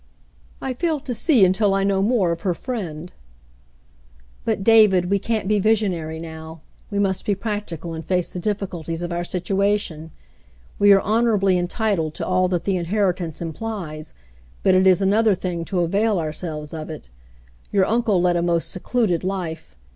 " I fail to see until I know more of her friend." " But, David, we can't be visionary now. We must be practical and face the difiiculties of our situation. We are honorably entitled to all that the inheritance implies, but it is another thing to avail ourselves of it. Your uncle led a most secluded life.